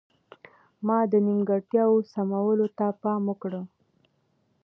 ما د نیمګړتیاوو سمولو ته پام وکړ.